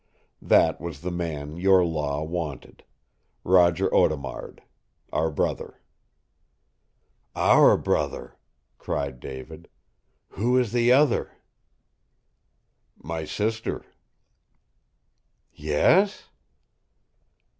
That was the man your law wanted. Roger Audemard. Our brother." "OUR brother," cried David. "Who is the other?" "My sister." "Yes?"